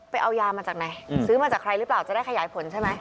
เอายามาจากไหนซื้อมาจากใครหรือเปล่าจะได้ขยายผลใช่ไหม